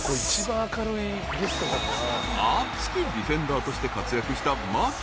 ［熱きディフェンダーとして活躍した］